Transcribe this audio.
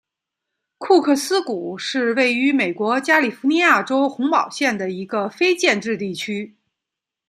库克斯谷是位于美国加利福尼亚州洪堡县的一个非建制地区。